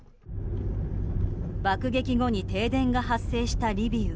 爆撃後に停電が発生したリビウ。